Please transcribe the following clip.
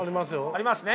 ありますね？